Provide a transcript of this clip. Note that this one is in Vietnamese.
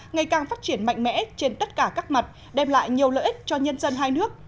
ngày càng phát triển mạnh mẽ trên tất cả các mặt đem lại nhiều lợi ích cho nhân dân hai nước